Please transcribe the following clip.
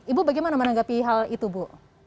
ibu bagaimana menanggapi hal itu bu